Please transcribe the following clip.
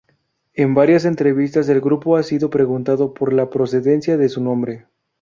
En varias entrevistas el grupo ha sido preguntado por la procedencia de su nombre.